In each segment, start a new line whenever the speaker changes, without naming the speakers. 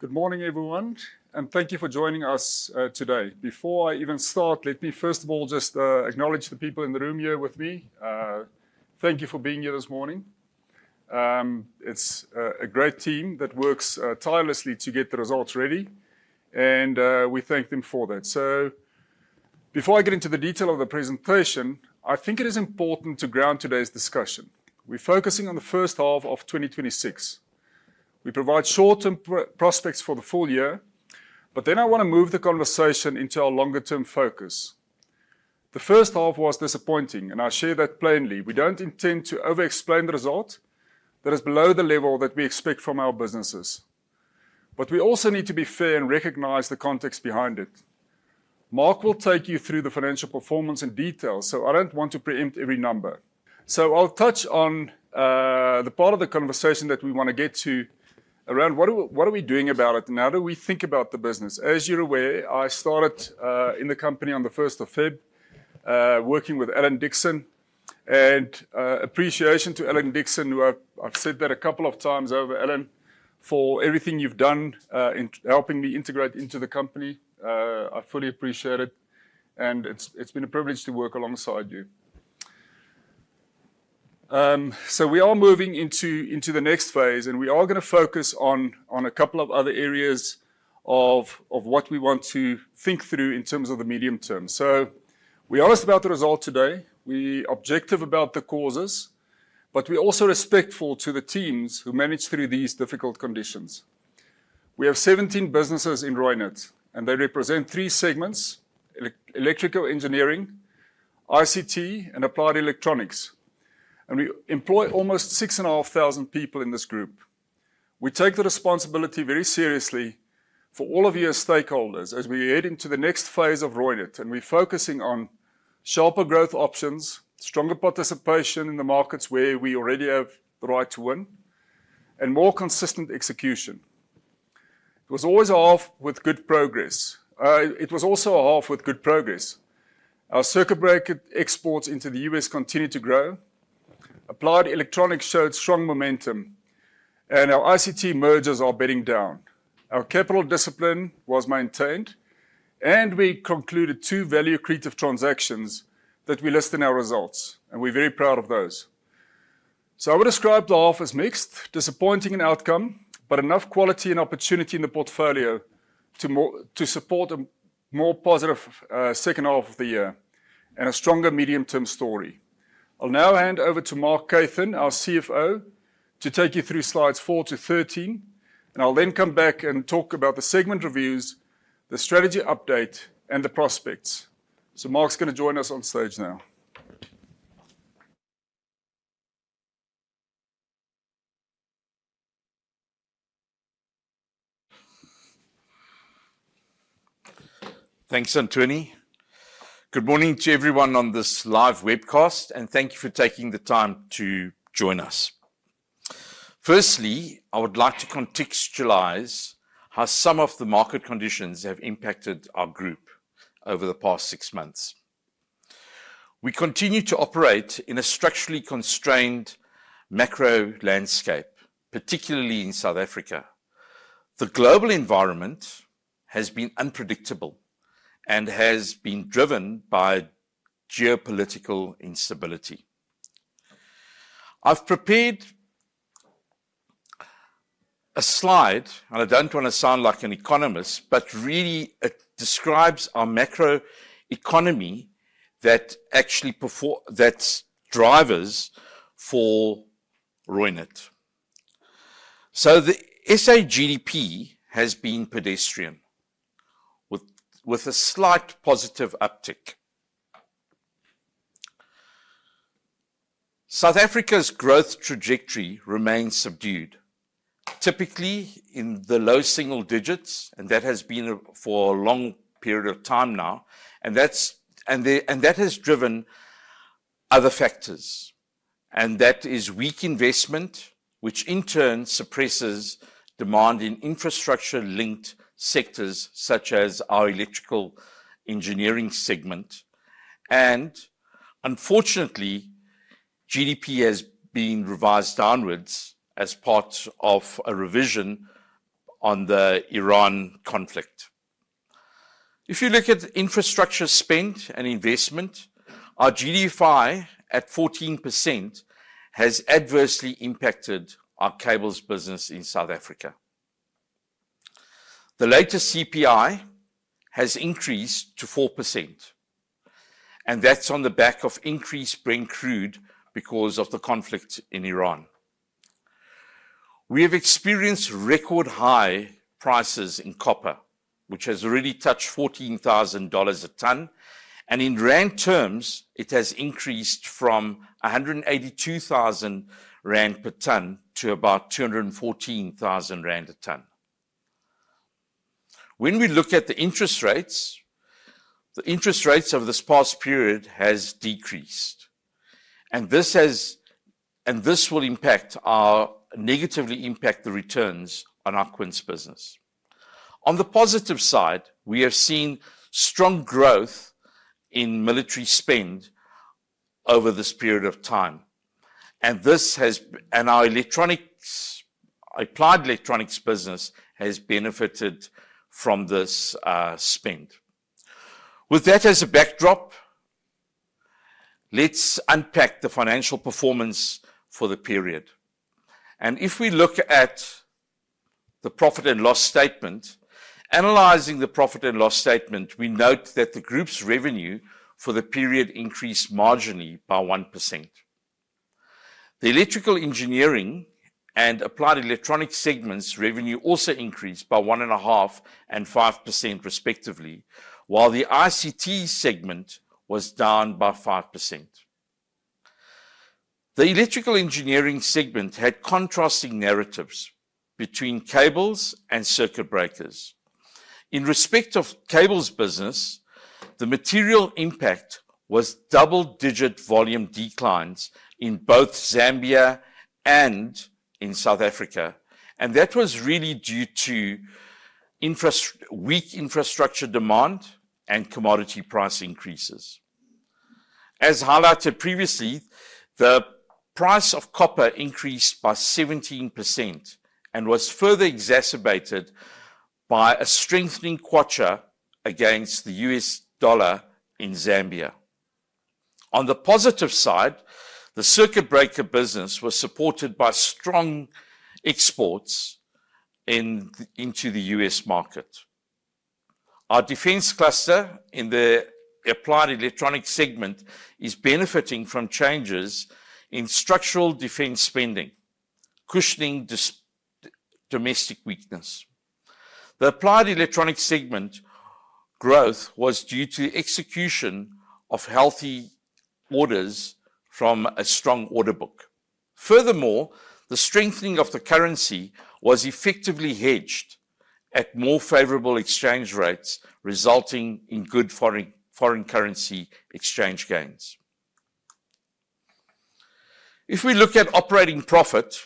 Good morning, everyone. Thank you for joining us today. Before I even start, let me first of all just acknowledge the people in the room here with me. Thank you for being here this morning. It's a great team that works tirelessly to get the results ready, and we thank them for that. Before I get into the detail of the presentation, I think it is important to ground today's discussion. We're focusing on the first half of 2026. We provide short-term prospects for the full year, but then I want to move the conversation into our longer-term focus. The first half was disappointing, and I share that plainly. We don't intend to overexplain the result that is below the level that we expect from our businesses. We also need to be fair and recognize the context behind it. Mark will take you through the financial performance in detail. I don't want to preempt every number. I'll touch on the part of the conversation that we want to get to around what are we doing about it and how do we think about the business. As you're aware, I started in the company on the 1st of February, working with Alan Dickson. Appreciation to Alan Dickson, who I've said that a couple of times over, Alan, for everything you've done in helping me integrate into the company. I fully appreciate it, and it's been a privilege to work alongside you. We are moving into the next phase, and we are going to focus on a couple of other areas of what we want to think through in terms of the medium term. We're honest about the result today. We're objective about the causes. We are also respectful to the teams who managed through these difficult conditions. We have 17 businesses in Reunert, they represent three segments: electrical engineering, ICT, and applied electronics. We employ almost six and a half thousand people in this group. We take the responsibility very seriously for all of you as stakeholders as we head into the next phase of Reunert, we're focusing on sharper growth options, stronger participation in the markets where we already have the right to win, and more consistent execution. It was always a half with good progress. It was also a half with good progress. Our circuit breaker exports into the U.S. continue to grow. Applied electronics showed strong momentum, our ICT mergers are bedding down. Our capital discipline was maintained, we concluded two value-accretive transactions that we list in our results, we're very proud of those. I would describe the half as mixed, disappointing in outcome, but enough quality and opportunity in the portfolio to support a more positive second half of the year and a stronger medium-term story. I'll now hand over to Mark Kathan, our CFO, to take you through slides 14 to 13. I'll then come back and talk about the segment reviews, the strategy update, and the prospects. Mark's going to join us on stage now.
Thanks, Anthonie. Good morning to everyone on this live webcast, and thank you for taking the time to join us. Firstly, I would like to contextualize how some of the market conditions have impacted our group over the past six months. We continue to operate in a structurally constrained macro landscape, particularly in South Africa. The global environment has been unpredictable and has been driven by geopolitical instability. I've prepared a slide, and I don't want to sound like an economist, but really it describes our macro economy that's drivers for Reunert. The SA GDP has been pedestrian with a slight positive uptick. South Africa's growth trajectory remains subdued, typically in the low single digits, and that has been for a long period of time now. That has driven other factors, and that is weak investment, which in turn suppresses demand in infrastructure-linked sectors such as our Electrical Engineering segment. Unfortunately, GDP has been revised downwards as part of a revision on the Iran conflict. If you look at infrastructure spend and investment, our GFCF at 14% has adversely impacted our cables business in South Africa. The latest CPI has increased to 4%, and that's on the back of increased Brent Crude because of the conflict in Iran. We have experienced record high prices in copper, which has already touched $14,000 a tonne, and in ZAR terms, it has increased from 182,000 rand per tonne to about 214,000 rand a tonne. When we look at the interest rates, the interest rates over this past period has decreased, and this will negatively impact the returns on our Quince business. On the positive side, we have seen strong growth in military spend over this period of time. Our Applied Electronics business has benefited from this spend. With that as a backdrop, let's unpack the financial performance for the period. If we look at the profit and loss statement, analyzing the profit and loss statement, we note that the group's revenue for the period increased marginally by 1%. The Electrical Engineering and Applied Electronics segments revenue also increased by 1.5% and 5% respectively, while the ICT segment was down by 5%. The Electrical Engineering segment had contrasting narratives between cables and circuit breakers. In respect of cables business, the material impact was double-digit volume declines in both Zambia and in South Africa, and that was really due to weak infrastructure demand and commodity price increases. As highlighted previously, the price of copper increased by 17% and was further exacerbated by a strengthening kwacha against the U.S. dollar in Zambia. On the positive side, the circuit breaker business was supported by strong exports into the U.S. market. Our defense cluster in the applied electronics segment is benefiting from changes in structural defense spending, cushioning domestic weakness. The applied electronics segment growth was due to execution of healthy orders from a strong order book. The strengthening of the currency was effectively hedged at more favorable exchange rates, resulting in good foreign currency exchange gains. If we look at operating profit,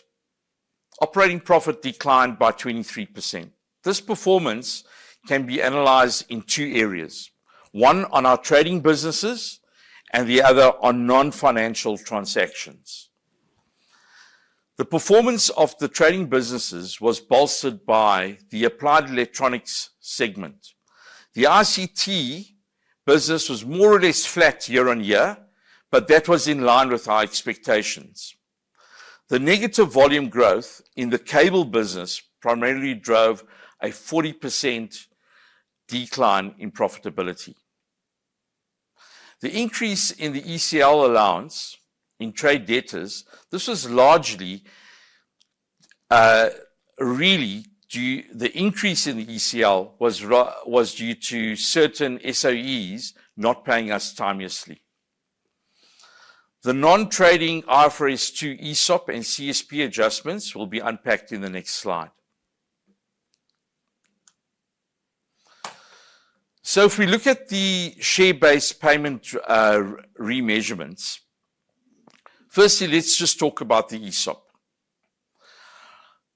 operating profit declined by 23%. This performance can be analyzed in two areas, one on our trading businesses and the other on non-financial transactions. The performance of the trading businesses was bolstered by the applied electronics segment. The ICT business was more or less flat year-over-year, that was in line with our expectations. The negative volume growth in the cable business primarily drove a 40% decline in profitability. The increase in the ECL allowance in trade debtors was due to certain SOEs not paying us timeously. The non-trading IFRS 2 ESOP and CSP adjustments will be unpacked in the next slide. If we look at the share-based payment remeasurements, firstly, let's just talk about the ESOP.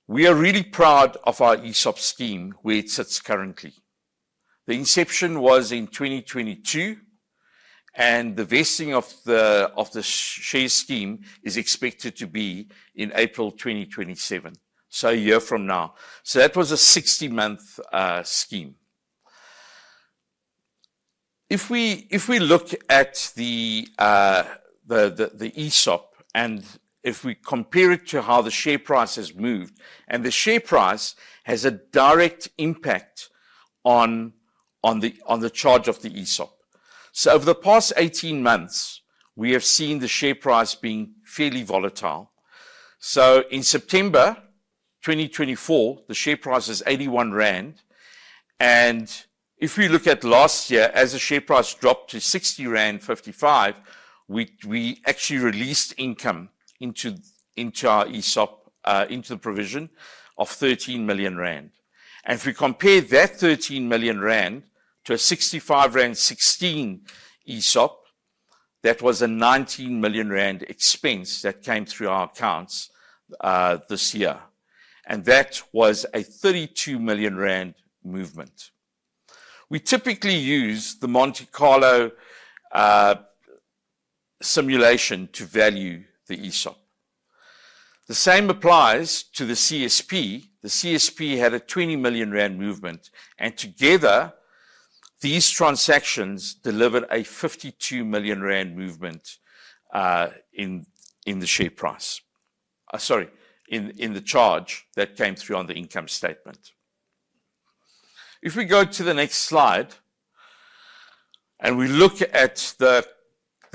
We are really proud of our ESOP scheme, where it sits currently. The inception was in 2022, the vesting of the share scheme is expected to be in April 2027, a year from now. That was a 60-month scheme. If we look at the ESOP and if we compare it to how the share price has moved, and the share price has a direct impact on the charge of the ESOP. Over the past 18 months, we have seen the share price being fairly volatile. In September 2024, the share price was 81 rand, and if we look at last year, as the share price dropped to 60.55 rand, we actually released income into the provision of 13 million rand. If we compare that 13 million rand to a 65.16 rand ESOP, that was a 19 million rand expense that came through our accounts this year, and that was a 32 million rand movement. We typically use the Monte Carlo simulation to value the ESOP. The same applies to the CSP. The CSP had a 20 million rand movement, and together, these transactions delivered a 52 million rand movement in the share price. Sorry, in the charge that came through on the income statement. We go to the next slide and we look at the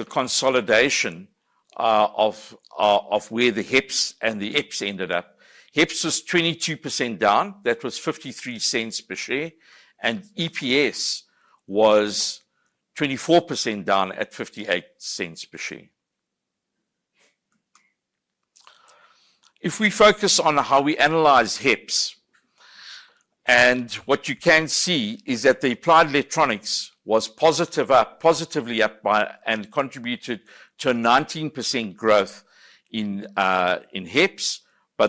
consolidation of where the HEPS and the EPS ended up. HEPS was 22% down. That was 0.53 per share. EPS was 24% down at 0.58 per share. We focus on how we analyze HEPS. What you can see is that the applied electronics was positively up and contributed to 19% growth in HEPS.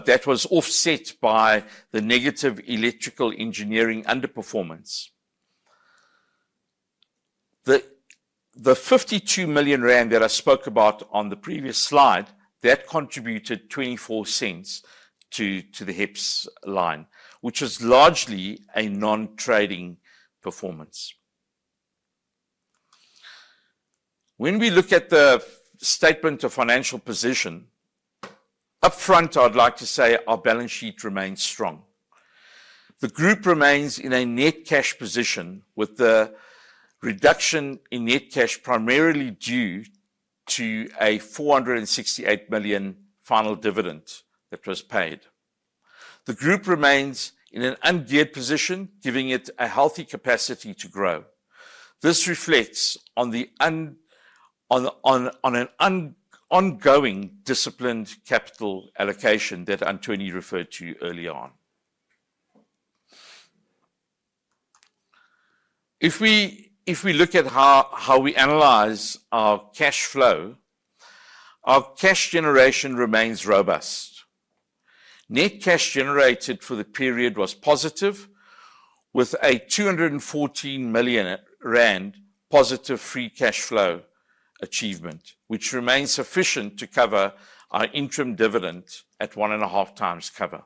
That was offset by the negative electrical engineering underperformance. The 52 million rand that I spoke about on the previous slide, that contributed 0.24 to the HEPS line, which is largely a non-trading performance. We look at the statement of financial position. Upfront I'd like to say our balance sheet remains strong. The group remains in a net cash position with the reduction in net cash primarily due to a 468 million final dividend that was paid. The group remains in an un-geared position, giving it a healthy capacity to grow. This reflects on an ongoing disciplined capital allocation that Anthonie referred to early on. If we look at how we analyze our cash flow, our cash generation remains robust. Net cash generated for the period was positive, with a 214 million rand positive free cash flow achievement, which remains sufficient to cover our interim dividend at one and a half times cover.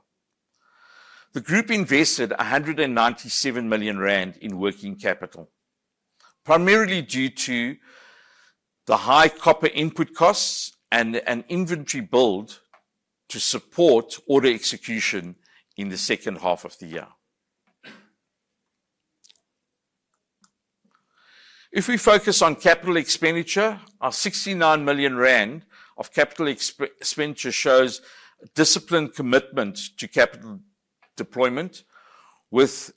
The group invested 197 million rand in working capital, primarily due to the high copper input costs and an inventory build to support order execution in the second half of the year. If we focus on capital expenditure, our 69 million rand of capital expenditure shows a disciplined commitment to capital deployment, with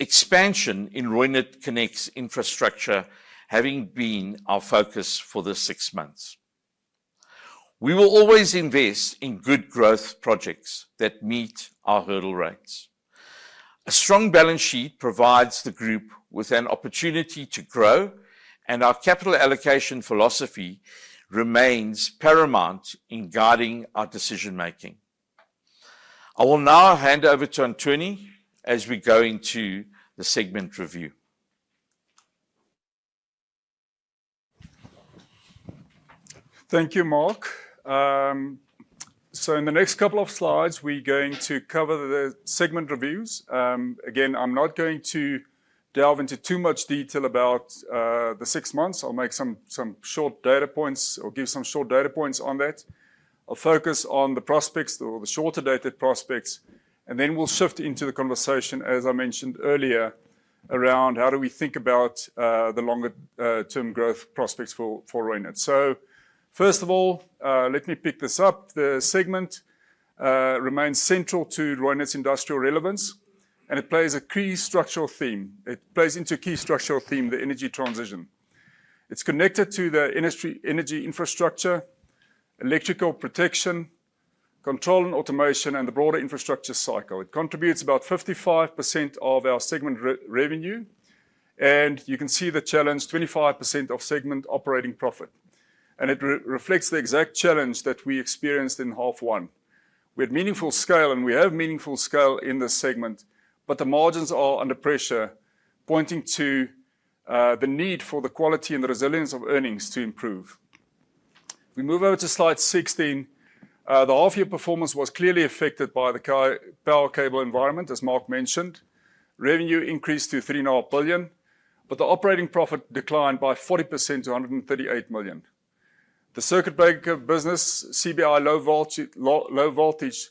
expansion in Reunert Connect's infrastructure having been our focus for the six months. We will always invest in good growth projects that meet our hurdle rates. A strong balance sheet provides the group with an opportunity to grow, and our capital allocation philosophy remains paramount in guiding our decision-making. I will now hand over to Anthonie as we go into the segment review.
Thank you, Mark. In the next couple of slides, we're going to cover the segment reviews. Again, I'm not going to delve into too much detail about the six months. I'll give some short data points on that. I'll focus on the prospects or the shorter-dated prospects, and then we'll shift into the conversation, as I mentioned earlier, around how do we think about the longer-term growth prospects for Reunert. First of all, let me pick this up. The segment remains central to Reunert's industrial relevance, and it plays into key structural theme, the energy transition. It's connected to the energy infrastructure, electrical protection, control and automation, and the broader infrastructure cycle. It contributes about 55% of our segment revenue, and you can see the challenge, 25% of segment operating profit. It reflects the exact challenge that we experienced in half one. We had meaningful scale, and we have meaningful scale in this segment, but the margins are under pressure, pointing to the need for the quality and the resilience of earnings to improve. We move over to slide 16. The half year performance was clearly affected by the power cable environment, as Mark mentioned. Revenue increased to 3.5 billion, but the operating profit declined by 40% to 138 million. The circuit breaker business, CBI Low Voltage,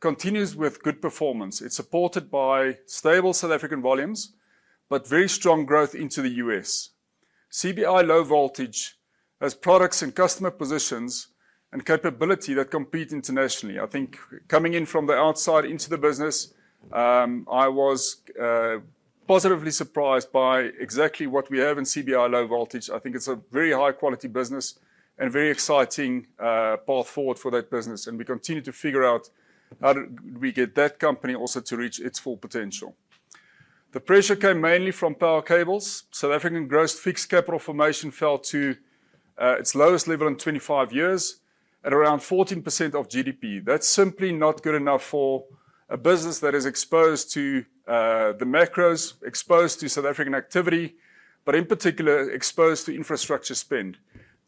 continues with good performance. It's supported by stable South African volumes, but very strong growth into the U.S. CBI Low Voltage has products and customer positions and capability that compete internationally. I think coming in from the outside into the business, I was positively surprised by exactly what we have in CBI Low Voltage. I think it's a very high quality business and very exciting path forward for that business, and we continue to figure out how do we get that company also to reach its full potential. The pressure came mainly from power cables. South African gross fixed capital formation fell to its lowest level in 25 years at around 14% of GDP. That's simply not good enough for a business that is exposed to the macros, exposed to South African activity, but in particular exposed to infrastructure spend.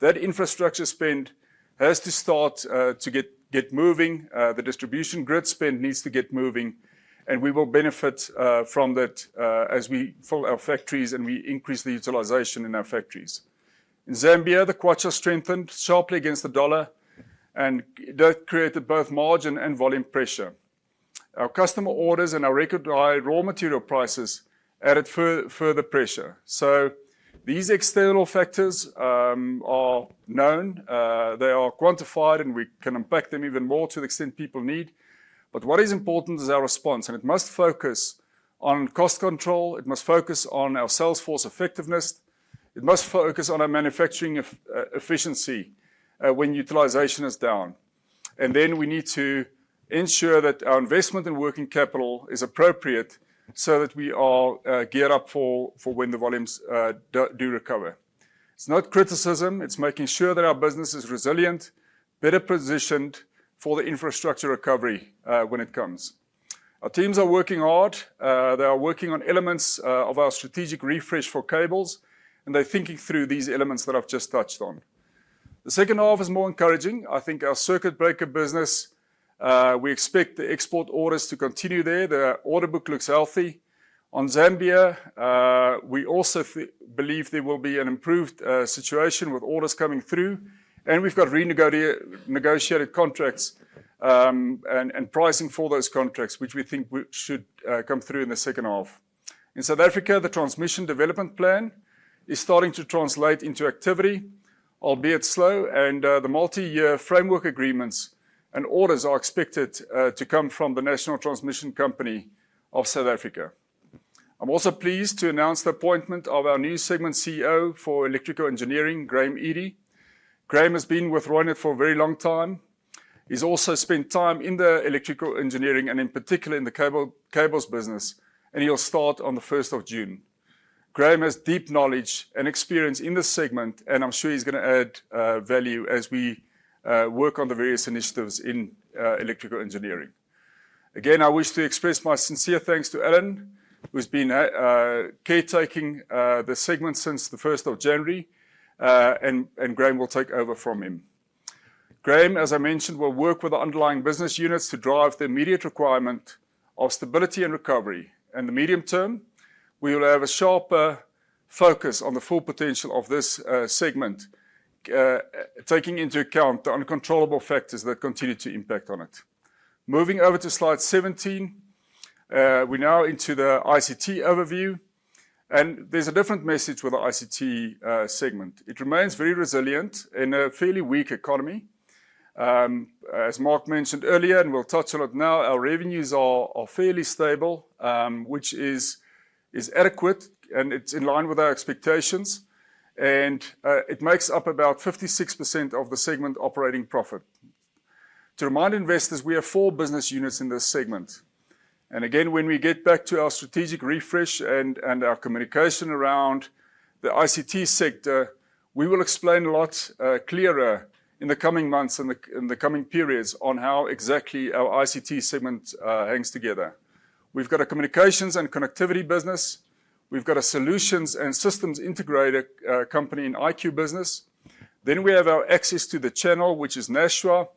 That infrastructure spend has to start to get moving. The distribution grid spend needs to get moving, and we will benefit from that as we fill our factories and we increase the utilization in our factories. In Zambia, the kwacha strengthened sharply against the U.S. dollar, and that created both margin and volume pressure. Our customer orders and our recognized raw material prices added further pressure. These external factors are known, they are quantified, and we can impact them even more to the extent people need. What is important is our response, it must focus on cost control, it must focus on our sales force effectiveness, it must focus on our manufacturing efficiency when utilization is down. We need to ensure that our investment in working capital is appropriate so that we are geared up for when the volumes do recover. It's not criticism. It's making sure that our business is resilient, better positioned for the infrastructure recovery when it comes. Our teams are working hard. They are working on elements of our strategic refresh for cables, and they're thinking through these elements that I've just touched on. The second half is more encouraging. I think our circuit breaker business, we expect the export orders to continue there. The order book looks healthy. On Zambia, we also believe there will be an improved situation with orders coming through, and we've got renegotiated contracts, and pricing for those contracts, which we think should come through in the second half. In South Africa, the transmission development plan is starting to translate into activity, albeit slow, and the multi-year framework agreements and orders are expected to come from the National Transmission Company of South Africa. I'm also pleased to announce the appointment of our new Segment CEO for Electrical Engineering, Graeme Eddie. Graeme has been with Reunert for a very long time. He's also spent time in the Electrical Engineering and in particular in the cables business, and he'll start on the 1st of June. Graeme has deep knowledge and experience in this segment, and I'm sure he's going to add value as we work on the various initiatives in Electrical Engineering. Again, I wish to express my sincere thanks to Alan, who's been caretaking the segment since the 1st of January, and Graeme will take over from him. Graeme, as I mentioned, will work with underlying Business Units to drive the immediate requirement of stability and recovery. In the medium term, we will have a sharper focus on the full potential of this segment, taking into account the uncontrollable factors that continue to impact on it. Moving over to slide 17, we're now into the ICT overview, and there's a different message for the ICT Segment. It remains very resilient in a fairly weak economy. As Mark mentioned earlier, and we'll touch on it now, our revenues are fairly stable, which is adequate, and it's in line with our expectations, and it makes up about 56% of the segment operating profit. To remind investors, we have four business units in this segment. Again, when we get back to our strategic refresh and our communication around the ICT sector, we will explain a lot clearer in the coming months, in the coming periods on how exactly our ICT Segment hangs together. We've got a communications and connectivity business. We've got a solutions and systems integrator company in IQbusiness. We have our access to the channel, which is Nashua,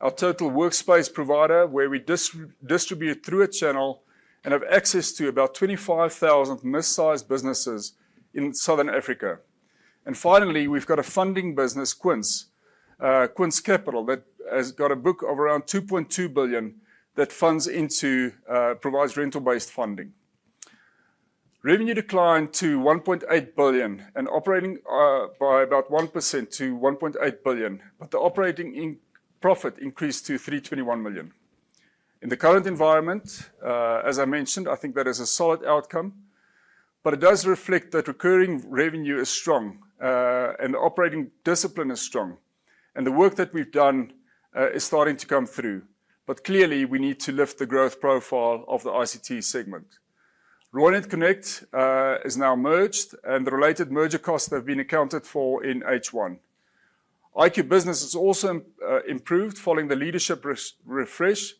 our total workspace provider, where we distribute through a channel and have access to about 25,000 mid-sized businesses in Southern Africa. Finally, we've got a funding business, Quince. Quince Capital, that has got a book of around 2.2 billion that provides rental-based funding. Revenue declined to 1.8 billion and operating by about 1% to 1.8 billion, the operating profit increased to 321 million. In the current environment, as I mentioned, I think that is a solid outcome, it does reflect that recurring revenue is strong, and operating discipline is strong, and the work that we've done is starting to come through. Clearly, we need to lift the growth profile of the ICT segment. Reunert Connect is now merged, and the related merger costs have been accounted for in H1. IQbusiness has also improved following the leadership refresh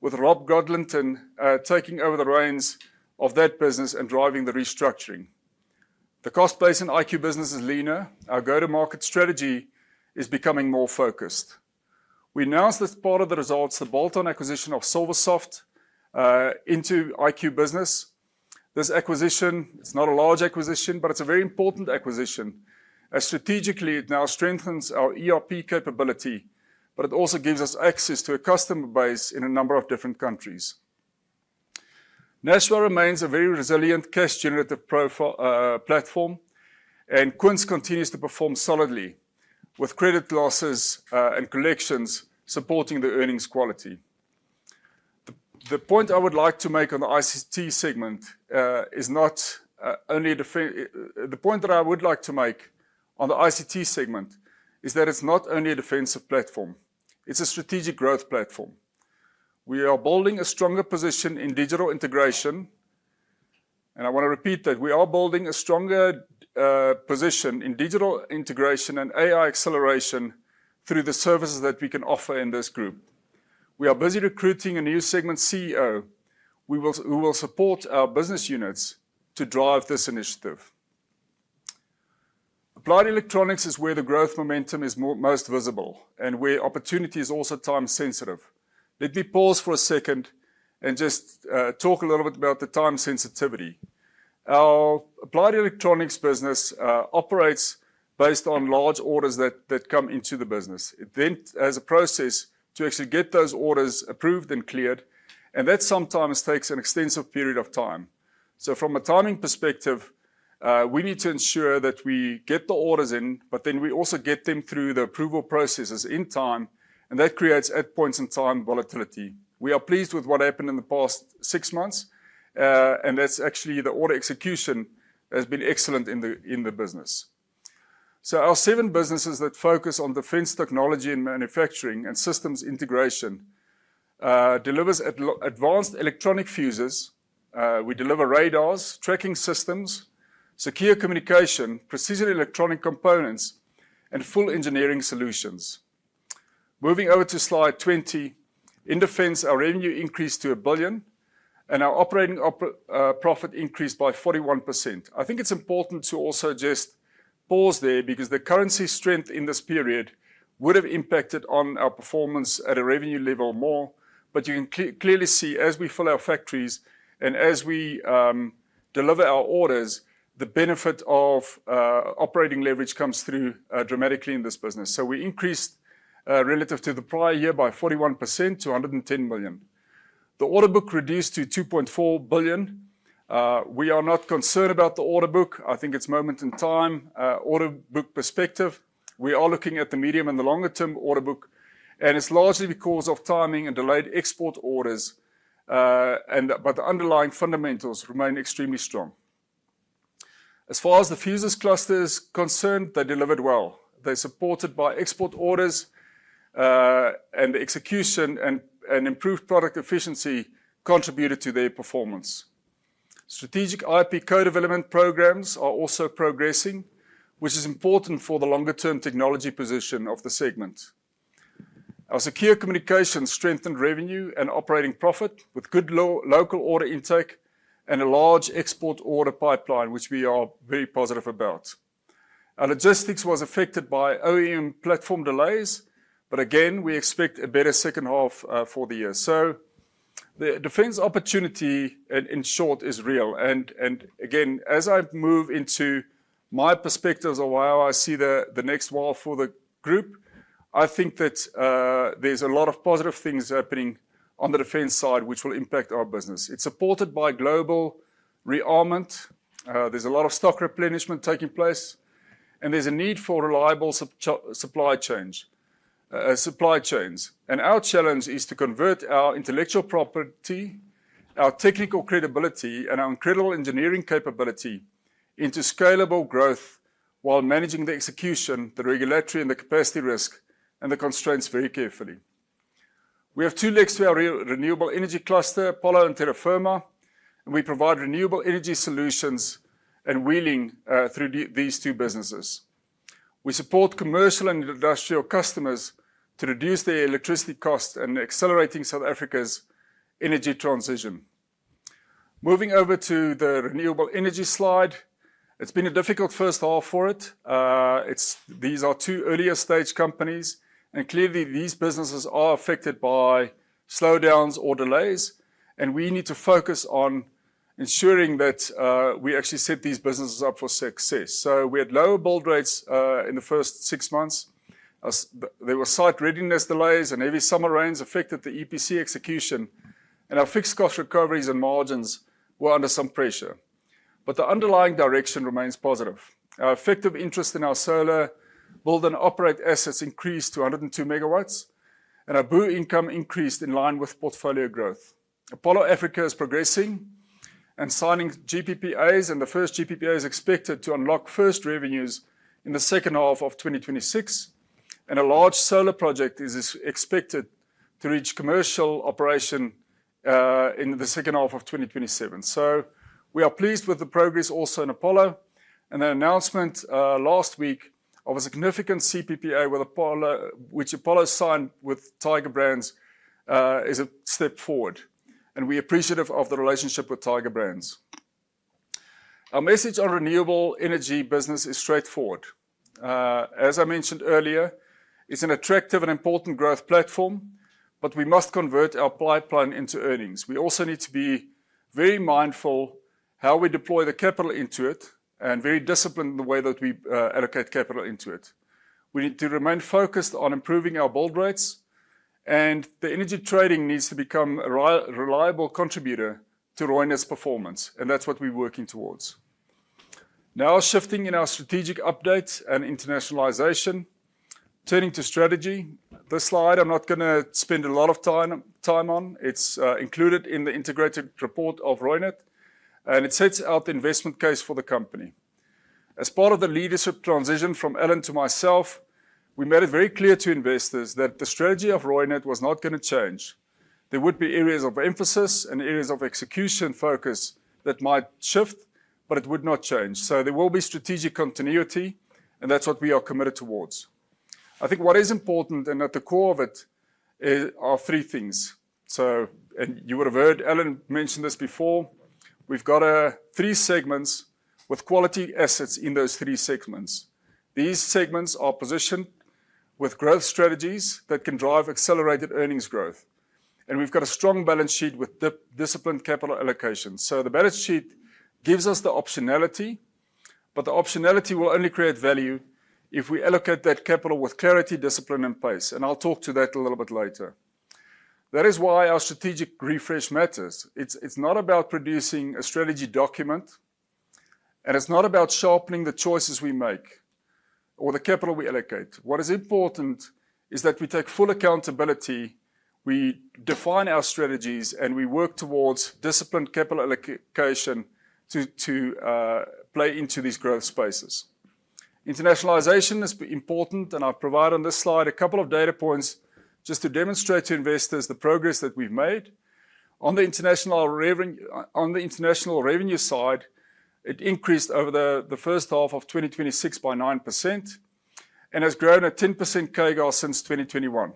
with Rob Godlonton taking over the reins of that business and driving the restructuring. The cost base in IQbusiness is leaner. Our go-to-market strategy is becoming more focused. We announced as part of the results the bolt-on acquisition of Silversoft into IQbusiness. This acquisition is not a large acquisition, but it's a very important acquisition, as strategically, it now strengthens our ERP capability, but it also gives us access to a customer base in a number of different countries. Nashua remains a very resilient cash generative platform, and Quince continues to perform solidly with credit losses and collections supporting the earnings quality. The point I would like to make on the ICT segment is that it's not only a defensive platform. It's a strategic growth platform. We are building a stronger position in digital integration. I want to repeat that we are building a stronger position in digital integration and AI acceleration through the services that we can offer in this group. We are busy recruiting a new segment CEO who will support our business units to drive this initiative. Applied Electronics is where the growth momentum is most visible. Opportunity is also time sensitive. Let me pause for a second and just talk a little bit about the time sensitivity. Our Applied Electronics business operates based on large orders that come into the business. It has a process to actually get those orders approved and cleared. That sometimes takes an extensive period of time. From a timing perspective, we need to ensure that we get the orders in, but then we also get them through the approval processes in time, and that creates points in time volatility. We are pleased with what happened in the past six months, that's actually the order execution has been excellent in the business. Our seven businesses that focus on defense technology and manufacturing and systems integration delivers advanced electronic fuses. We deliver radars, tracking systems, secure communication, precision electronic components, and full engineering solutions. Moving over to slide 20. In defense, our revenue increased to 1 billion, our operating profit increased by 41%. I think it's important to also just pause there, because the currency strength in this period would have impacted on our performance at a revenue level more. You can clearly see as we fill our factories and as we deliver our orders, the benefit of operating leverage comes through dramatically in this business. We increased relative to the prior year by 41% to 110 million. The order book reduced to 2.4 billion. We are not concerned about the order book. I think it's moment in time, order book perspective. We are looking at the medium and the longer term order book, and it's largely because of timing and delayed export orders. The underlying fundamentals remain extremely strong. As far as the fuses cluster is concerned, they delivered well. They're supported by export orders, and execution and improved product efficiency contributed to their performance. Strategic IP co-development programs are also progressing, which is important for the longer-term technology position of the segment. Our secure communication strengthened revenue and operating profit with good local order intake and a large export order pipeline, which we are very positive about. Our logistics was affected by OEM platform delays. Again, we expect a better second half for the year. The defense opportunity, in short, is real. Again, as I move into my perspective of where I see the next while for the group, I think that there's a lot of positive things happening on the defense side which will impact our business. It's supported by global rearmament. There's a lot of stock replenishment taking place. There's a need for reliable supply chains. Our challenge is to convert our intellectual property, our technical credibility, and our incredible engineering capability into scalable growth while managing the execution, the regulatory, and the capacity risk, and the constraints very carefully. We have two legs to our renewable energy cluster, Apollo and Terra Firma, and we provide renewable energy solutions and wheeling through these two businesses. We support commercial and industrial customers to reduce their electricity costs in accelerating South Africa's energy transition. Moving over to the renewable energy slide. It's been a difficult first half for it. These are two earlier-stage companies, and clearly these businesses are affected by slowdowns or delays, and we need to focus on ensuring that we actually set these businesses up for success. We had lower build rates in the first six months. There were site readiness delays, and heavy summer rains affected the EPC execution, and our fixed cost recoveries and margins were under some pressure. The underlying direction remains positive. Our effective interest in our solar build and operate assets increased to 102 MW, our BU income increased in line with portfolio growth. Apollo Africa is progressing and signing GPPA, the first GPPA is expected to unlock first revenues in the second half of 2026, a large solar project is expected to reach commercial operation in the second half of 2027. We are pleased with the progress also in Apollo, the announcement last week of a significant CPPA which Apollo signed with Tiger Brands is a step forward, we're appreciative of the relationship with Tiger Brands. Our message on renewable energy business is straightforward. As I mentioned earlier, it's an attractive and important growth platform, we must convert our pipeline into earnings. We also need to be very mindful how we deploy the capital into it, and very disciplined in the way that we allocate capital into it. We need to remain focused on improving our build rates, and the energy trading needs to become a reliable contributor to Reunert's performance, and that's what we're working towards. Shifting in our strategic updates and internationalization. Turning to strategy. This slide I'm not going to spend a lot of time on. It's included in the integrated report of Reunert, and it sets out the investment case for the company. As part of the leadership transition from Alan to myself, we made it very clear to investors that the strategy of Reunert was not going to change. There would be areas of emphasis and areas of execution focus that might shift, it would not change. There will be strategic continuity, and that's what we are committed towards. I think what is important, and at the core of it, are three things. You would have heard Alan mention this before. We've got three segments with quality assets in those three segments. These segments are positioned with growth strategies that can drive accelerated earnings growth. We've got a strong balance sheet with disciplined capital allocation. The balance sheet gives us the optionality, but the optionality will only create value if we allocate that capital with clarity, discipline, and pace. I'll talk to that a little bit later. That is why our strategic refresh matters. It's not about producing a strategy document, and it's not about sharpening the choices we make or the capital we allocate. What is important is that we take full accountability, we define our strategies, and we work towards disciplined capital allocation to play into these growth spaces. Internationalization is important, and I provide on this slide a couple of data points just to demonstrate to investors the progress that we've made. On the international revenue side, it increased over the first half of 2026 by 9% and has grown at 10% CAGR since 2021.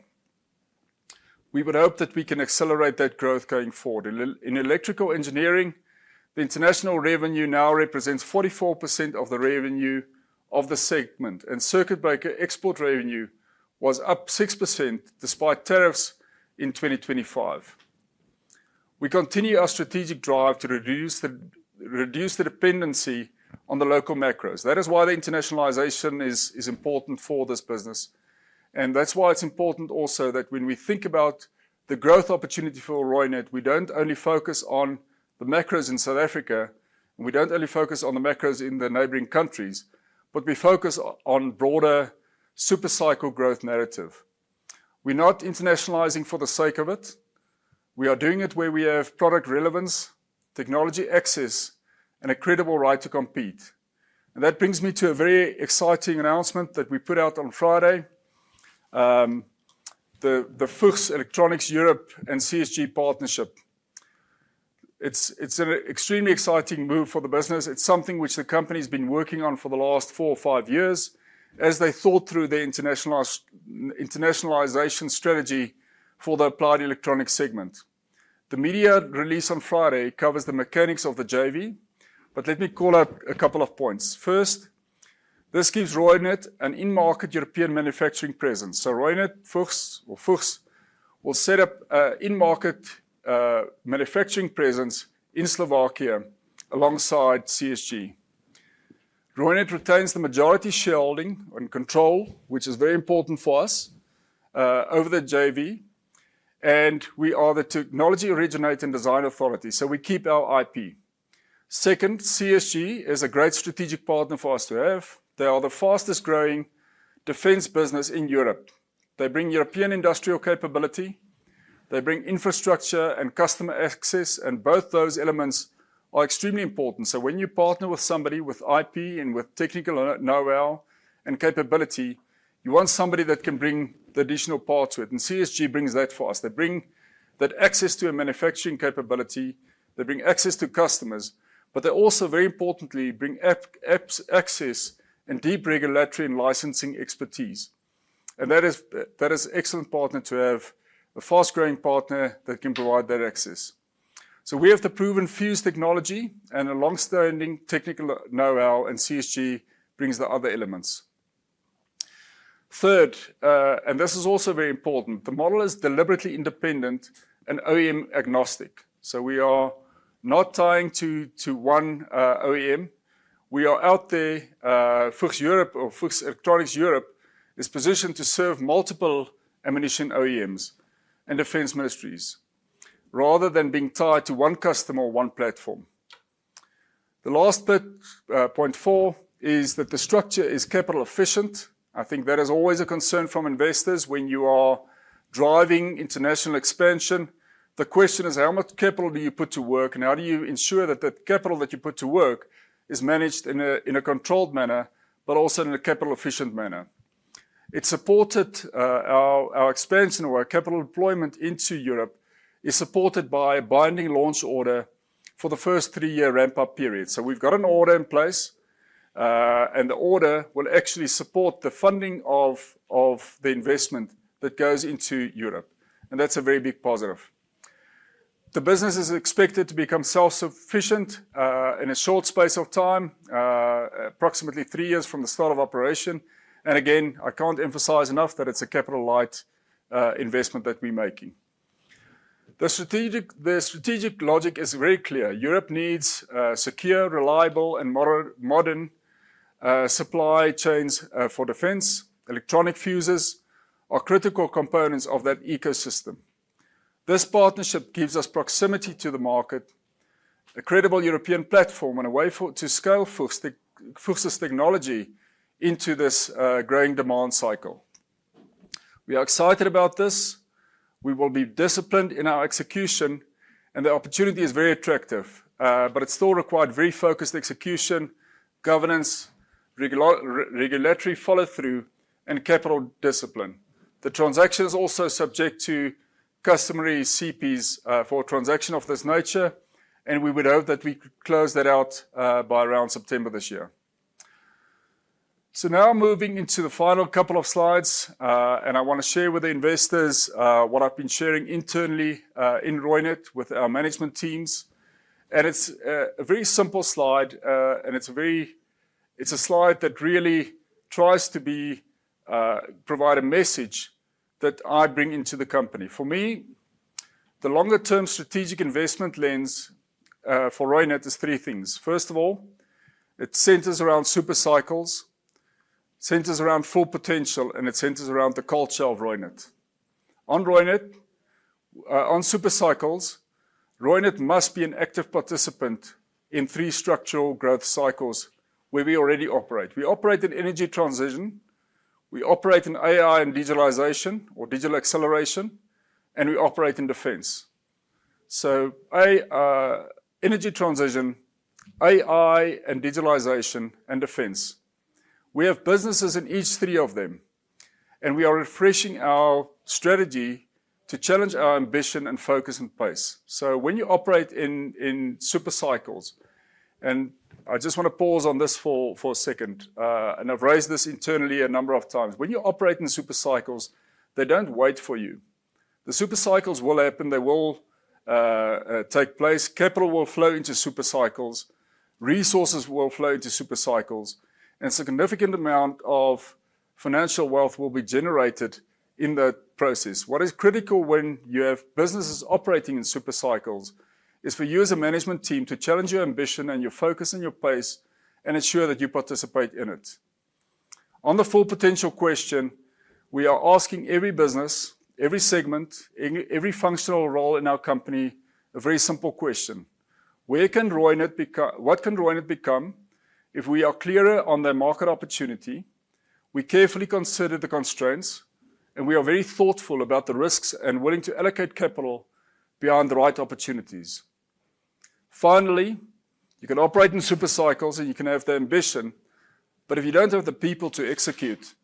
We would hope that we can accelerate that growth going forward. In electrical engineering, international revenue now represents 44% of the revenue of the segment, and circuit breaker export revenue was up 6% despite tariffs in 2025. We continue our strategic drive to reduce the dependency on the local macros. That is why internationalization is important for this business, and that's why it's important also that when we think about the growth opportunity for Reunert, we don't only focus on the macros in South Africa, and we don't only focus on the macros in the neighboring countries, but we focus on broader super cycle growth narrative. We're not internationalizing for the sake of it. We are doing it where we have product relevance, technology access, and a credible right to compete. That brings me to a very exciting announcement that we put out on Friday, the Fuchs Electronics Europe and CSG partnership. It's an extremely exciting move for the business. It's something which the company's been working on for the last four or five years as they thought through their internationalization strategy for the applied electronic segment. The media release on Friday covers the mechanics of the JV, but let me call out a couple of points. This gives Reunert an in-market European manufacturing presence. Reunert, Fuchs will set up an in-market manufacturing presence in Slovakia alongside CSG. Reunert retains the majority shareholding and control, which is very important for us, over the JV. We are the technology originator and design authority. We keep our IP. CSG is a great strategic partner for us to have. They are the fastest-growing defense business in Europe. They bring European industrial capability, they bring infrastructure and customer access. Both those elements are extremely important. When you partner with somebody with IP and with technical know-how and capability, you want somebody that can bring the additional part to it. CSG brings that for us. They bring that access to a manufacturing capability, they bring access to customers, but they also, very importantly, bring access and deep regulatory licensing expertise. That is excellent partner to have, a fast-growing partner that can provide that access. We have the proven fuse technology and a longstanding technical know-how, and CSG brings the other elements. Third, this is also very important, the model is deliberately independent and OEM-agnostic. We are not tying to one OEM. We are out there. Fuchs Europe or Fuchs Electronics Europe is positioned to serve multiple ammunition OEMs and defense ministries rather than being tied to one customer or one platform. The last bit, point 4, is that the structure is capital efficient. I think that is always a concern from investors when you are driving international expansion. The question is, how much capital do you put to work, and how do you ensure that that capital that you put to work is managed in a controlled manner, but also in a capital-efficient manner? Our expansion or our capital employment into Europe is supported by a binding launch order for the first three-year ramp-up period. We've got an order in place. The order will actually support the funding of the investment that goes into Europe. That's a very big positive. The business is expected to become self-sufficient, in a short space of time, approximately three years from the start of operation. Again, I can't emphasize enough that it's a capital light investment that we're making. The strategic logic is very clear. Europe needs secure, reliable, and modern supply chains for defense. Electronic fuses are critical components of that ecosystem. This partnership gives us proximity to the market, a credible European platform, and a way for it to scale Fuchs's technology into this growing demand cycle. We are excited about this. We will be disciplined in our execution, and the opportunity is very attractive. It still required very focused execution, governance, regulatory follow-through, and capital discipline. The transaction is also subject to customary CPs for a transaction of this nature, and we would hope that we could close that out by around September this year. Now moving into the final couple of slides, and I want to share with the investors what I've been sharing internally in Reunert with our management teams. It's a very simple slide, and it's a slide that really tries to provide a message that I bring into the company. For me, the longer-term strategic investment lens for Reunert is three things. First of all, it centers around super cycles, centers around full potential, and it centers around the culture of Reunert. On super cycles, Reunert must be an active participant in three structural growth cycles where we already operate. We operate in energy transition, we operate in AI and digitalization or digital acceleration, and we operate in defense. Energy transition, AI and digitalization, and defense. We have businesses in each three of them, and we are refreshing our strategy to challenge our ambition and focus and pace. When you operate in super cycles, and I just want to pause on this for a second, and I've raised this internally a number of times. When you operate in super cycles, they don't wait for you. The super cycles will happen. They will take place. Capital will flow into super cycles, resources will flow into super cycles, and a significant amount of financial wealth will be generated in that process. What is critical when you have businesses operating in super cycles is for you as a management team to challenge your ambition and your focus and your pace and ensure that you participate in it. On the full potential question, we are asking every business, every segment, every functional role in our company a very simple question. What can Reunert become if we are clearer on their market opportunity? We carefully consider the constraints, and we are very thoughtful about the risks and willing to allocate capital behind the right opportunities. Finally, you can operate in super cycles, and you can have the ambition, but if you don't have the people to execute,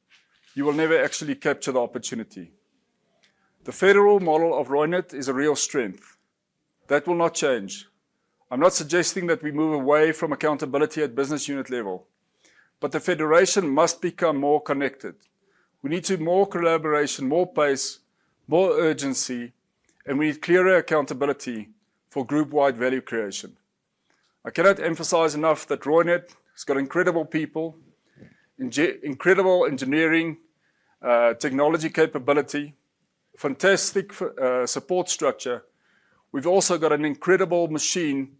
you will never actually capture the opportunity. The federal model of Reunert is a real strength. That will not change. I'm not suggesting that we move away from accountability at business unit level, but the federation must become more connected. We need more collaboration, more pace, more urgency, and we need clearer accountability for group wide value creation. I cannot emphasize enough that Reunert has got incredible people, incredible engineering, technology capability, fantastic support structure. We've also got an incredible machine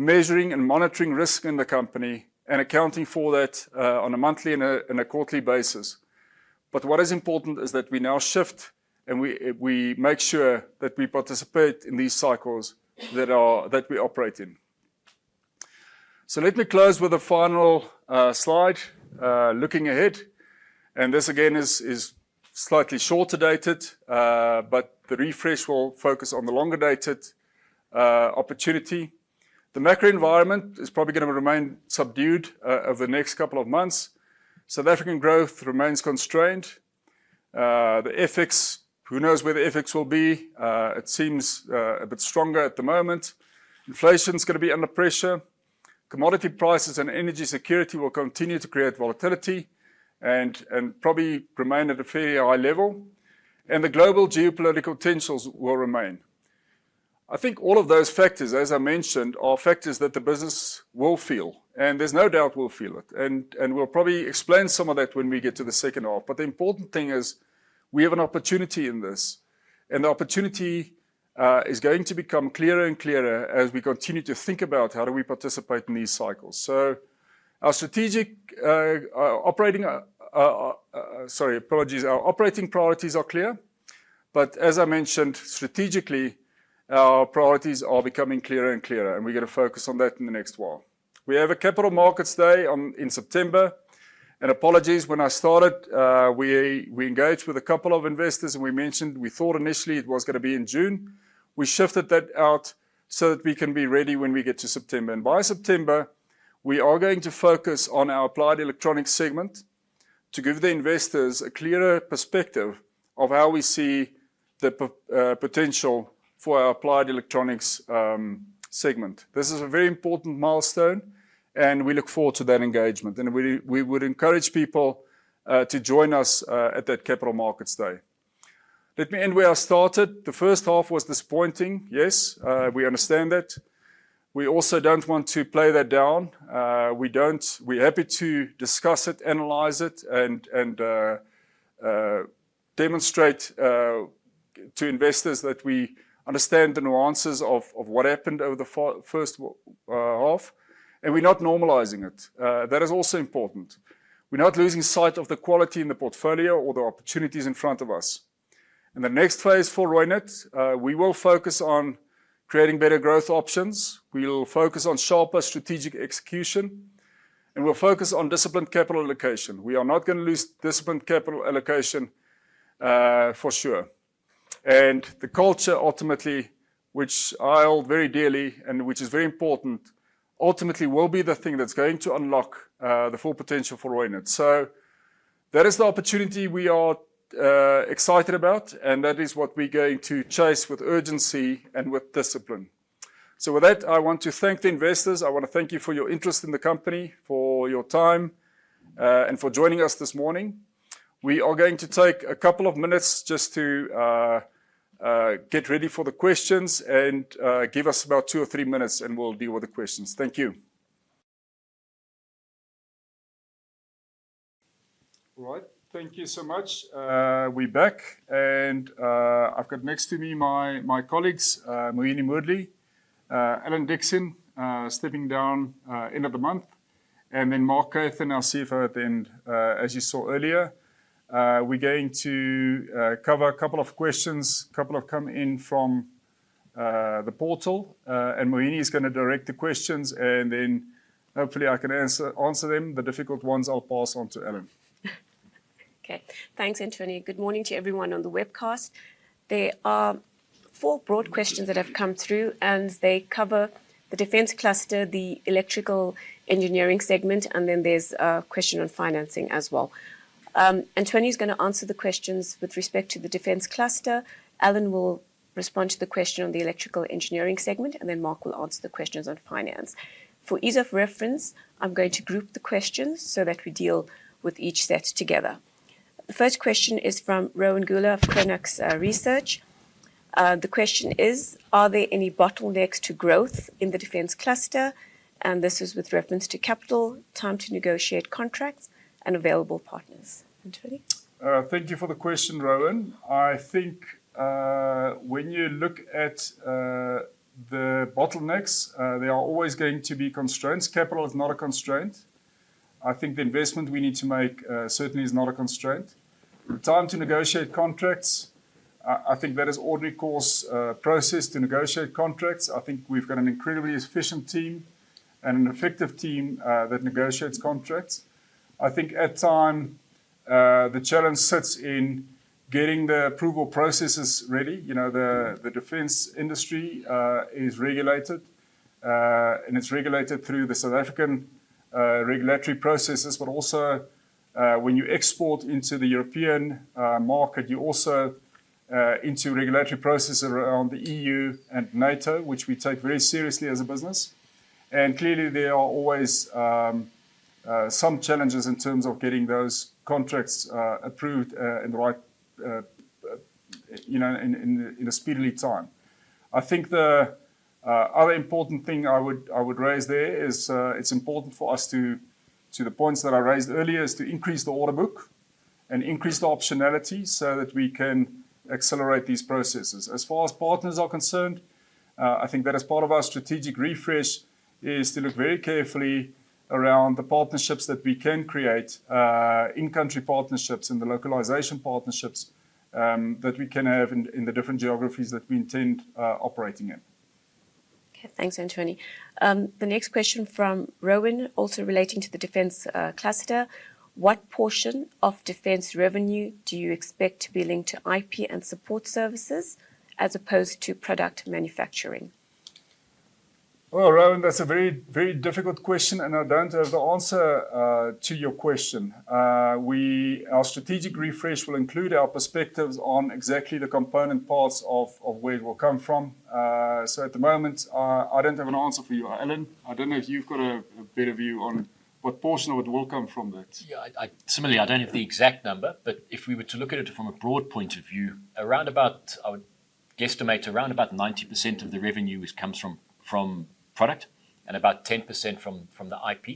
measuring and monitoring risk in the company and accounting for that on a monthly and a quarterly basis. What is important is that we now shift, and we make sure that we participate in these cycles that we operate in. Let me close with the final slide. Looking ahead, this again is slightly shorter dated, but the refresh will focus on the longer dated opportunity. The macro environment is probably going to remain subdued over the next couple of months. South African growth remains constrained. The FX, who knows where the FX will be. It seems a bit stronger at the moment. Inflation is going to be under pressure. Commodity prices and energy security will continue to create volatility and probably remain at a fairly high level. The global geopolitical tensions will remain. I think all of those factors, as I mentioned, are factors that the business will feel, and there's no doubt we'll feel it. We'll probably explain some of that when we get to the second half. The important thing is we have an opportunity in this, and the opportunity is going to become clearer and clearer as we continue to think about how do we participate in these cycles. Our strategic operating, our operating priorities are clear. As I mentioned, strategically, our priorities are becoming clearer and clearer, and we're going to focus on that in the next while. We have a Capital Markets Day in September. When I started, we engaged with a couple of investors, and we mentioned we thought initially it was going to be in June. We shifted that out so that we can be ready when we get to September. By September, we are going to focus on our Applied Electronics segment to give the investors a clearer perspective of how we see the potential for our Applied Electronics segment. This is a very important milestone, and we look forward to that engagement, and we would encourage people to join us at that Capital Markets Day. Let me end where I started. The first half was disappointing, yes, we understand that. We also don't want to play that down. We're happy to discuss it, analyze it, and demonstrate to investors that we understand the nuances of what happened over the first half, and we're not normalizing it. That is also important. We're not losing sight of the quality in the portfolio or the opportunities in front of us. In the next phase for Reunert, we will focus on creating better growth options. We will focus on sharper strategic execution, and we'll focus on disciplined capital allocation. We are not going to lose disciplined capital allocation for sure. The culture ultimately, which I hold very dearly and which is very important, ultimately will be the thing that's going to unlock the full potential for Reunert. That is the opportunity we are excited about, and that is what we're going to chase with urgency and with discipline. I want to thank the investors. I want to thank you for your interest in the company, for your time, and for joining us this morning. We are going to take a couple of minutes just to get ready for the questions, and give us about two or three minutes and we'll deal with the questions. Thank you. All right. Thank you so much. We're back, and I've got next to me my colleagues, Mohini Moodley, Alan Dickson, stepping down end of the month, and then Mark Kathan, CFO at the end, as you saw earlier. We're going to cover a couple of questions. A couple have come in from the portal. Mohini is going to direct the questions, and then hopefully I can answer them. The difficult ones I'll pass on to Alan.
Okay. Thanks, Anthonie. Good morning to everyone on the webcast. There are four broad questions that have come through, and they cover the defense cluster, the Electrical Engineering segment, and then there's a question on financing as well. Anthonie's going to answer the questions with respect to the defense cluster, Alan will respond to the question on the Electrical Engineering segment, and then Mark will answer the questions on finance. For ease of reference, I'm going to group the questions so that we deal with each set together. The first question is from Rowan Goeller, Chronux Research. The question is: Are there any bottlenecks to growth in the defense cluster? This is with reference to capital, time to negotiate contracts, and available partners. Anthonie?
Thank you for the question, Rowan. I think when you look at the bottlenecks, there are always going to be constraints. Capital is not a constraint. I think the investment we need to make certainly is not a constraint. The time to negotiate contracts, I think that is already core process to negotiate contracts. I think we've got an incredibly efficient team and an effective team that negotiates contracts. I think, at time, the challenge sits in getting the approval processes ready. The defense industry is regulated, and it's regulated through the South African regulatory processes. Also, when you export into the European market, you also enter a regulatory process around the EU and NATO, which we take very seriously as a business. Clearly, there are always some challenges in terms of getting those contracts approved in a speedy time. I think the other important thing I would raise there is, it's important for us, to the points that I raised earlier, is to increase the order book and increase the optionality, so that we can accelerate these processes. As far as partners are concerned, I think that as part of our strategic refresh is to look very carefully around the partnerships that we can create, in-country partnerships and the localization partnerships that we can have in the different geographies that we intend operating in.
Okay. Thanks, Anthonie. The next question from Rowan, also relating to the defense cluster. What portion of defense revenue do you expect to be linked to IP and support services as opposed to product manufacturing?
Well, Rowan, that's a very difficult question, and I don't have the answer to your question. Our strategic refresh will include our perspectives on exactly the component parts of where it will come from. At the moment, I don't have an answer for you. Alan, I don't know if you've got a better view on what portion of it will come from that.
Similarly, I don't have the exact number. If we were to look at it from a broad point of view, I would guesstimate around about 90% of the revenue comes from product and about 10% from the IP.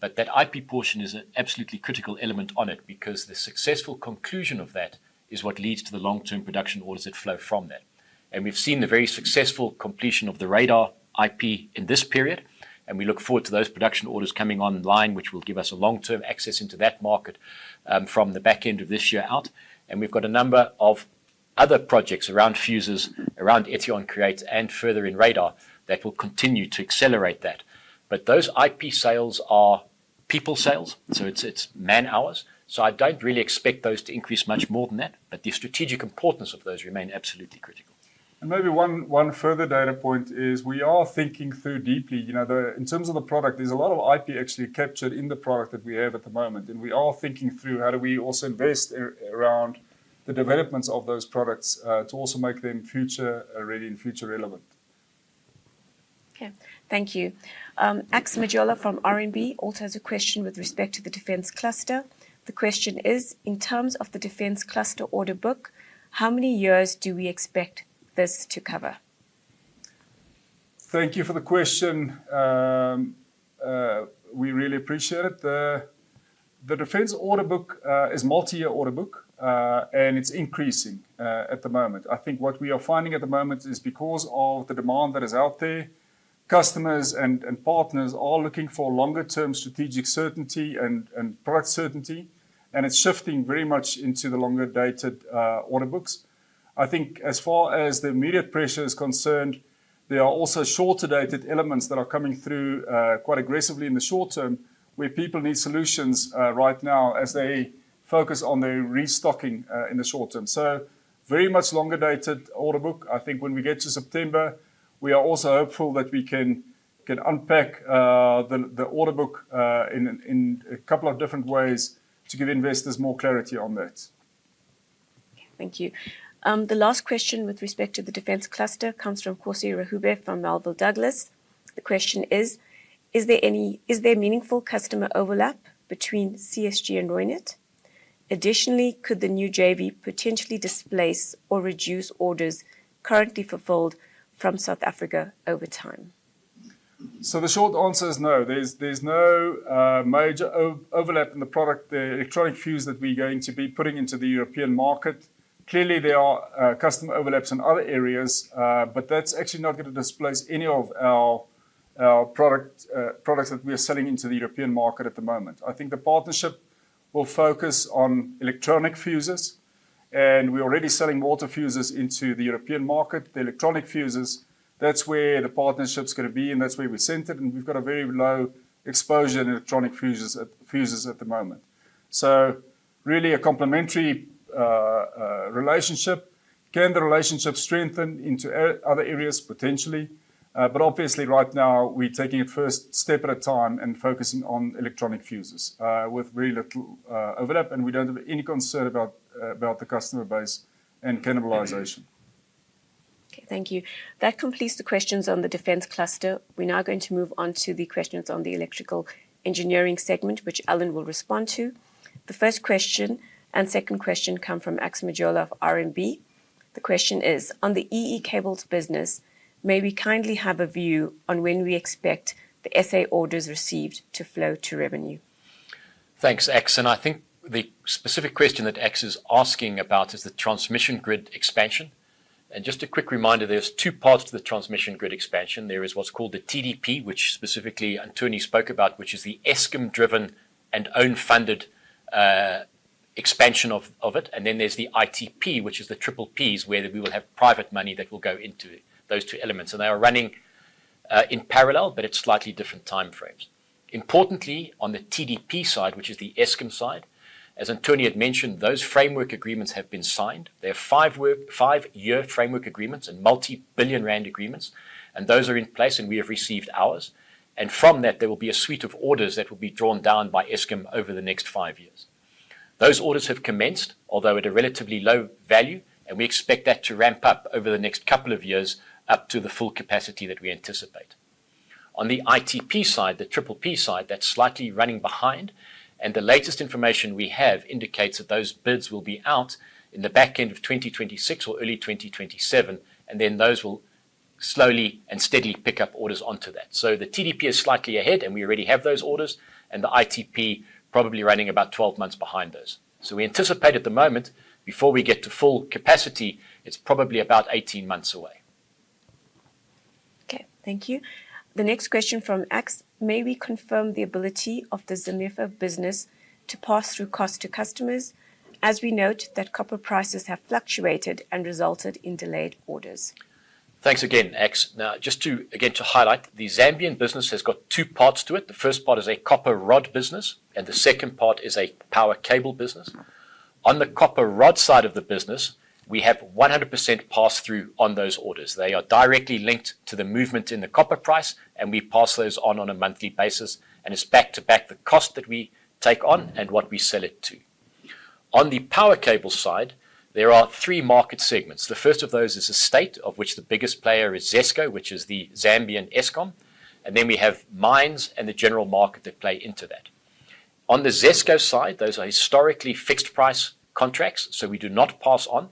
That IP portion is an absolutely critical element on it, because the successful conclusion of that is what leads to the long-term production orders that flow from that. We've seen the very successful completion of the radar IP in this period, and we look forward to those production orders coming online, which will give us long-term access into that market from the back end of this year out. We've got a number of other projects around fuses, around Etion Create, and further in radar, that will continue to accelerate that. Those IP sales are people sales, so it's man-hours. I don't really expect those to increase much more than that, but the strategic importance of those remain absolutely critical.
Maybe one further data point is. We are thinking through deeply. In terms of the product, there's a lot of IP actually captured in the product that we have at the moment, and we are thinking through how do we also invest around the developments of those products to also make them future-ready and future relevant.
Okay. Thank you. Ax Majola from RMB also has a question with respect to the defense cluster. The question is: In terms of the defense cluster order book, how many years do we expect this to cover?
Thank you for the question. We really appreciate it. The defense order book is multi-year order book, and it's increasing at the moment. I think what we are finding at the moment is because of the demand that is out there, customers and partners are looking for longer term strategic certainty and product certainty, and it's shifting very much into the longer-dated order books. I think as far as the immediate pressure is concerned, there are also shorter-dated elements that are coming through quite aggressively in the short term, where people need solutions right now as they focus on their restocking in the short term. Very much longer-dated order book. I think when we get to September, we are also hopeful that we can unpack the order book in a couple of different ways to give investors more clarity on that.
Thank you. The last question with respect to the defense cluster comes from Kgosi Rahube from Melville Douglas. The question is: Is there meaningful customer overlap between CSG and Reunert? Additionally, could the new JV potentially displace or reduce orders currently fulfilled from South Africa over time?
The short answer is no. There's no major overlap in the product, the electronic fuse that we're going to be putting into the European market. Clearly, there are customer overlaps in other areas, that's actually not going to displace any of our products that we are selling into the European market at the moment. I think the partnership will focus on electronic fuses. We're already selling automotive fuses into the European market, the electronic fuses. That's where the partnership's going to be, and that's where we're centered. We've got a very low exposure to electronic fuses at the moment. Really a complementary relationship. Can the relationship strengthen into other areas? Potentially. Obviously right now we're taking it first step at a time and focusing on electronic fuses, with very little overlap, and we don't have any concern about the customer base and cannibalization.
Okay, thank you. That completes the questions on the defense cluster. We're now going to move on to the questions on the Electrical Engineering segment, which Alan will respond to. The first question and second question come from Ax Majola, RMB. The question is, "On the EE cables business, may we kindly have a view on when we expect the SA orders received to flow to revenue?
Thanks, Ax. I think the specific question that Ax is asking about is the transmission grid expansion. Just a quick reminder, there's two parts to the transmission grid expansion. There is what's called the TDP, which specifically Anthonie spoke about, which is the Eskom-driven and own-funded expansion of it. Then there's the ITP, which is the triple P's, where we will have private money that will go into it, those two elements. They are running in parallel, but at slightly different time frames. Importantly, on the TDP side, which is the Eskom side, as Anthonie had mentioned, those framework agreements have been signed. They're 5-year framework agreements and multi-billion rand agreements. Those are in place. We have received ours. From that, there will be a suite of orders that will be drawn down by Eskom over the next 5 years. Those orders have commenced, although at a relatively low value, and we expect that to ramp up over the next couple of years up to the full capacity that we anticipate. On the ITP side, the PPP side, that's slightly running behind, and the latest information we have indicates that those bids will be out in the back end of 2026 or early 2027, and then those will slowly and steadily pick up orders onto that. The TDP is slightly ahead, and we already have those orders, and the ITP probably running about 12 months behind those. We anticipate at the moment, before we get to full capacity, it's probably about 18 months away.
Okay, thank you. The next question from Ax, "May we confirm the ability of the Zambia business to pass through cost to customers, as we note that copper prices have fluctuated and resulted in delayed orders?
Thanks again, Ax. Just again to highlight, the Zambian business has got two parts to it. The first part is a copper rod business, and the second part is a power cable business. On the copper rod side of the business, we have 100% pass-through on those orders. They are directly linked to the movement in the copper price, and we pass those on a monthly basis, and it's back to back the cost that we take on and what we sell it to. On the power cable side, there are three market segments. The first of those is the state, of which the biggest player is ZESCO, which is the Zambian Eskom. Then we have mines and the general market that play into that. On the ZESCO side, those are historically fixed price contracts, so we do not pass on.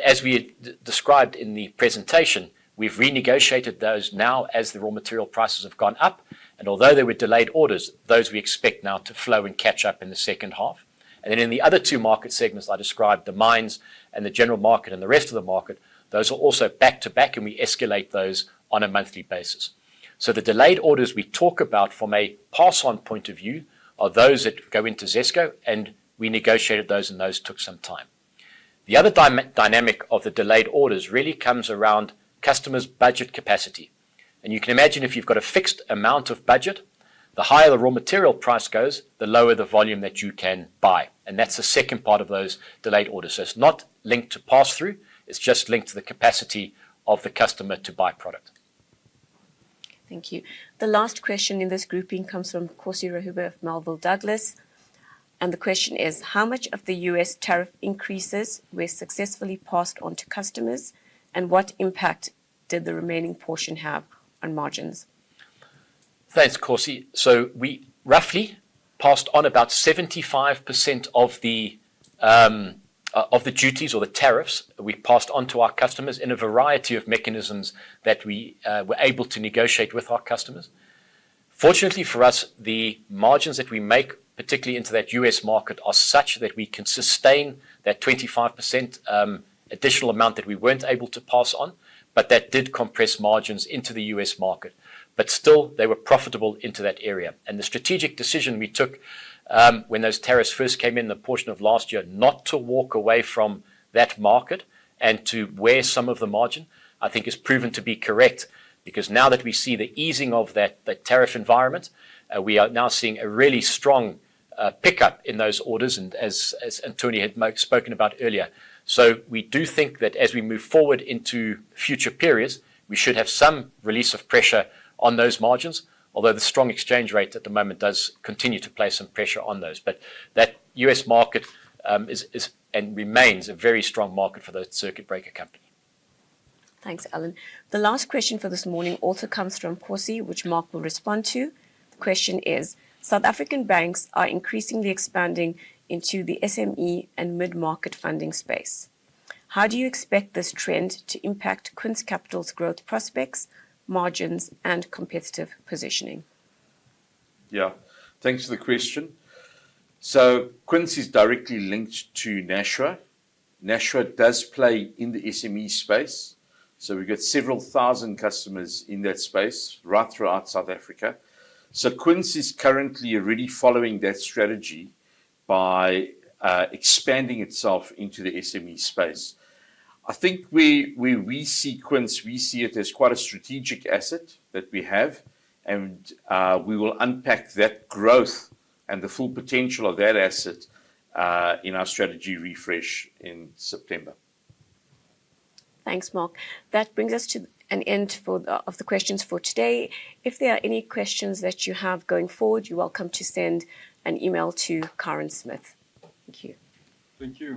As we described in the presentation, we've renegotiated those now as the raw material prices have gone up. Although there were delayed orders, those we expect now to flow and catch up in the second half. The other two market segments I described, the mines and the general market and the rest of the market, those are also back to back, and we escalate those on a monthly basis. The delayed orders we talk about from a pass-on point of view are those that go into ZESCO, and we negotiated those, and those took some time. The other dynamic of the delayed orders really comes around customers' budget capacity. You can imagine if you've got a fixed amount of budget, the higher the raw material price goes, the lower the volume that you can buy. That's the second part of those delayed orders. It's not linked to pass-through, it's just linked to the capacity of the customer to buy product.
Thank you. The last question in this grouping comes from Kgosi Rahube of Melville Douglas. The question is, "How much of the U.S. tariff increases were successfully passed on to customers, and what impact did the remaining portion have on margins?
Thanks, Kgosi. We roughly passed on about 75% of the duties or the tariffs that we passed on to our customers in a variety of mechanisms that we were able to negotiate with our customers. Fortunately for us, the margins that we make, particularly into that U.S. market, are such that we can sustain that 25% additional amount that we weren't able to pass on, but that did compress margins into the U.S. market. Still, they were profitable into that area. The strategic decision we took when those tariffs first came in the portion of last year, not to walk away from that market and to wear some of the margin, I think has proven to be correct. Now that we see the easing of that tariff environment, we are now seeing a really strong pickup in those orders, as Anthonie had spoken about earlier. We do think that as we move forward into future periods, we should have some release of pressure on those margins, although the strong exchange rate at the moment does continue to place some pressure on those. That U.S. market is, and remains, a very strong market for the Circuit Breaker company.
Thanks, Alan. The last question for this morning also comes from Kgosi, which Mark will respond to. Question is, "South African banks are increasingly expanding into the SME and mid-market funding space. How do you expect this trend to impact Quince Capital's growth prospects, margins, and competitive positioning?
Yeah. Thanks for the question. Quince is directly linked to Nashua. Nashua does play in the SME space, we've got several thousand customers in that space right throughout South Africa. Quince is currently already following that strategy by expanding itself into the SME space. I think where we see Quince, we see it as quite a strategic asset that we have, and we will unpack that growth and the full potential of that asset in our strategy refresh in September.
Thanks, Mark. That brings us to an end of the questions for today. If there are any questions that you have going forward, you're welcome to send an email to Karen Smith. Thank you.
Thank you.